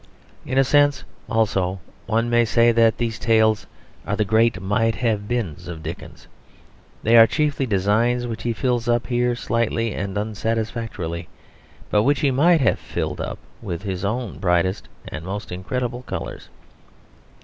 In a sense also one may say that these tales are the great might have beens of Dickens. They are chiefly designs which he fills up here slightly and unsatisfactorily, but which he might have filled up with his own brightest and most incredible colours.